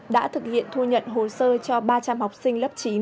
đã thực hiện thu nhận hồ sơ cho ba trăm linh học sinh lớp chín